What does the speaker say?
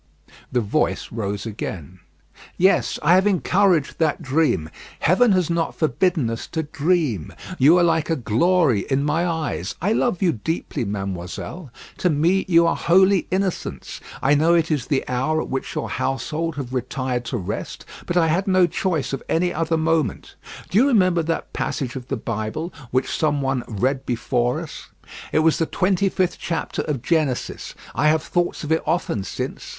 The voice rose again: "Yes, I have encouraged that dream. Heaven has not forbidden us to dream. You are like a glory in my eyes. I love you deeply, mademoiselle. To me you are holy innocence. I know it is the hour at which your household have retired to rest, but I had no choice of any other moment. Do you remember that passage of the Bible which some one read before us; it was the twenty fifth chapter of Genesis. I have thought of it often since.